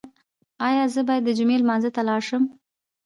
ایا زه باید د جمعې لمانځه ته لاړ شم؟